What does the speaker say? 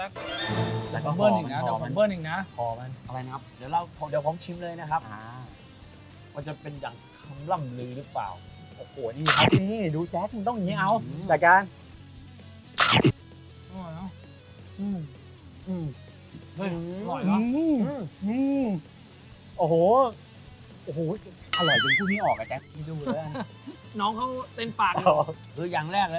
น้ำจิ้มเป็นไงบ้าง